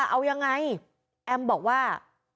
เอายังไงแอมบอกว่า